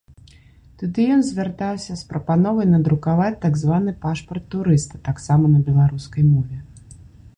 Туды ён звяртаўся з прапановай надрукаваць так званы пашпарт турыста таксама на беларускай мове.